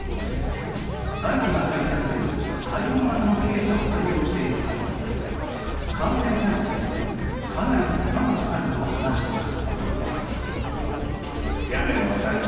外気が入りやすい開放型の鶏舎を採用しているため感染対策にかなり手間がかかると話します。